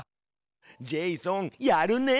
ジェイソンやるね。